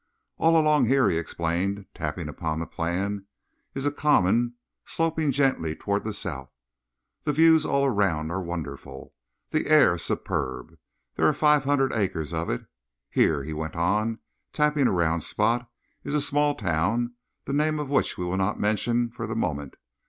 "All along here," he explained, tapping upon the plan, "is a common, sloping gently towards the south. The views all around are wonderful. The air is superb. There are five hundred acres of it. Here," he went on, tapping a round spot, "is a small town, the name of which we will not mention for the moment.